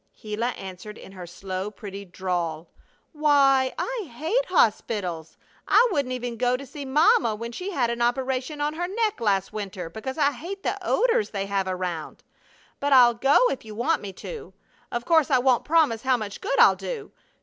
Gila answered in her slow, pretty drawl: "Why, I hate hospitals! I wouldn't even go to see mama when she had an operation on her neck last winter, because I hate the odors they have around. But I'll go if you want me to. Of course I won't promise how much good I'll do.